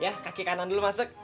ya kaki kanan dulu masuk